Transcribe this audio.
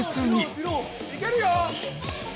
いけるよ！